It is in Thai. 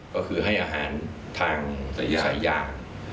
ก็คือให้อาหารทางศัยอย่าง